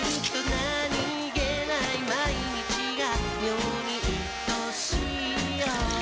何気ない毎日が妙にいとしいよ